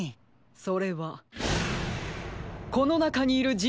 それはこのなかにいるじんぶつです。